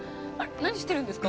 何してるんですか？